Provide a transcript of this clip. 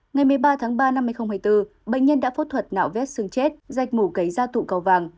ngày một mươi ba tháng ba năm hai nghìn hai mươi bốn bệnh nhân đã phẫu thuật nạo vét xương chết dạch mũ cấy ra tụ cầu vàng